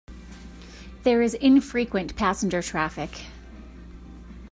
There is infrequent passenger traffic.